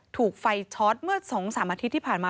ถูกไฟช็อตเมื่อ๒๓อาทิตย์ที่ผ่านมา